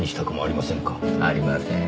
ありませーん。